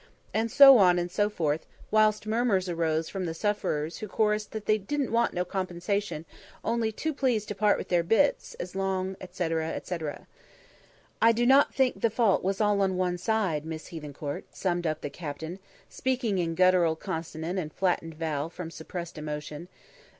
..." And so on and so forth; whilst murmurs arose from the sufferers, who chorused that "they didn't want no compensation, only too pleased to part with their bits, as long ..." etc., etc. "I do not think the fault was all on one side, Miss Hethencourt," summed up the Captain, speaking in guttural consonant and flattened vowel from suppressed emotion.